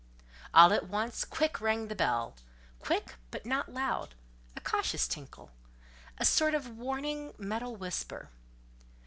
All at once, quick rang the bell—quick, but not loud—a cautious tinkle—a sort of warning metal whisper.